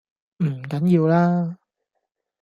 唔緊要啦